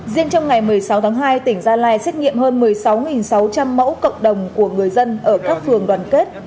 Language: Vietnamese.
riêng trong ngày một mươi sáu tháng hai tỉnh gia lai xét nghiệm hơn một mươi sáu sáu trăm linh mẫu cộng đồng của người dân ở các phường đoàn kết